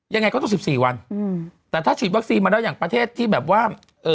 ยังไงก็ต้อง๑๔วันแต่ถ้าฉีดวัคซีนมาแล้วอย่างประเทศที่แบบว่า